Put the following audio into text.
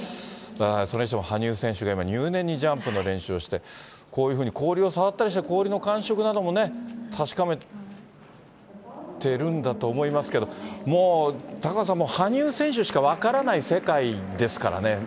だからそれにしても、羽生選手が今、入念にジャンプの練習をして、こういうふうに氷を触ったりして、氷の感触なども確かめているんだと思いますけれども、もう、高岡さん、羽生選手しか分からない世界ですからね。